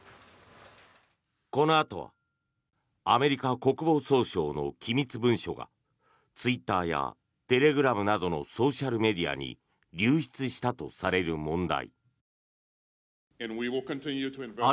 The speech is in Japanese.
このあとはアメリカ国防総省の機密文書がツイッターやテレグラムなどのソーシャルメディアに流出したとされる問題。